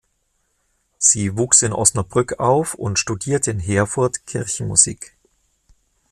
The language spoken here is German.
Sie wuchs in Osnabrück auf und studierte in Herford Kirchenmusik.